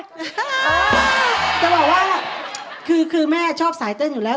จะบอกว่าคือแม่ชอบสายเต้นอยู่แล้ว